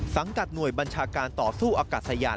สังกัดหน่วยบัญชาการต่อสู้อากาศสะยาน